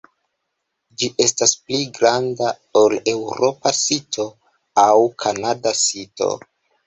Ĝi estas pli granda ol eŭropa sito aŭ kanada sito.